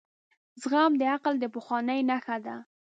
زغم د عقل د پخوالي نښه ده.